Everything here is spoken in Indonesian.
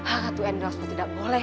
aku endorse aku tidak boleh